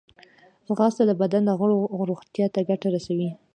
ځغاسته د بدن د غړو روغتیا ته ګټه رسوي